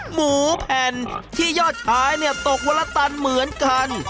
หมูแผ่นที่ยอดขายตกวัลตันเหมือนกัน